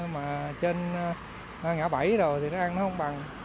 mà trên ngã bảy rồi thì nó ăn nó không bằng